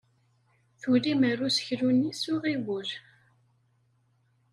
Tulim ar useklu-nni s uɣiwel.